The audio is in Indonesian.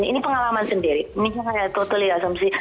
ini pengalaman sendiri ini saya total di asumsi